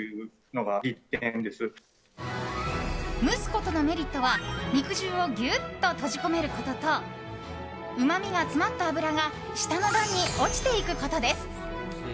蒸すことのメリットは肉汁をギュッと閉じ込めることとうまみが詰まった脂が下の段に落ちていくことです。